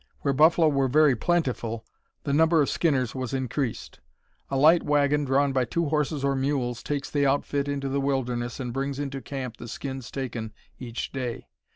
Where buffalo were very plentiful the number of skinners was increased. A light wagon, drawn by two horses or mules, takes the outfit into the wilderness, and brings into camp the skins taken each day.